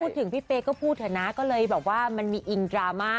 พี่เป๊ก็พูดเถอะนะก็เลยแบบว่ามันมีอิงดราม่า